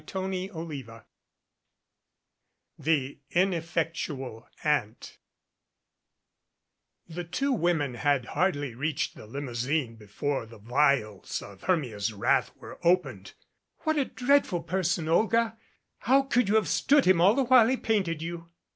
CHAPTER IH THE INEFFECTUAL AUNT THE two women had hardly reached the limousine before the vials of Hermia's wrath were opened. "What a dreadful person! Olga, how could you have stood him all the while he painted you?"